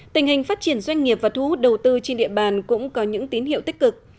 tình hình phát triển doanh nghiệp và thu hút đầu tư trên địa bàn cũng có những tín hiệu tích cực